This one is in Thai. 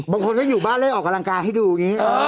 บางคนก็อยู่บ้านเลยออกกำลังกายให้ดูอย่างนี้